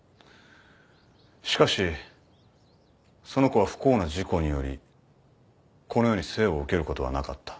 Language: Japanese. しかしその子は不幸な事故によりこの世に生を受けることはなかった。